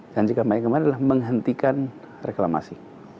janji kampanye kemarin adalah menghentikan reklamasi